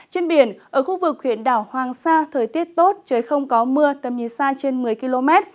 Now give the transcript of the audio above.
trên biển ở khu vực huyện đảo hoàng sa thời tiết tốt trời không có mưa tầm nhìn xa trên một mươi km